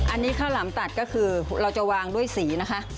อันนี้ข้าวหลามตัดก็คือเราจะวางด้วยสีนะคะ